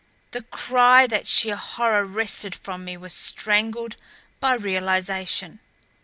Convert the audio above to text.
The cry that sheer horror wrested from me was strangled by realization.